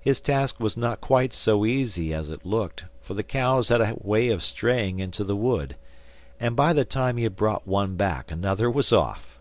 His task was not quite so easy as it looked, for the cows had a way of straying into the wood, and by the time he had brought one back another was off.